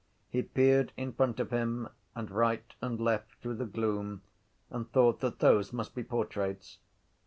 He peered in front of him and right and left through the gloom and thought that those must be portraits.